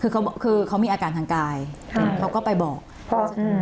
คือเขาคือเขามีอาการทางกายค่ะเขาก็ไปบอกอืม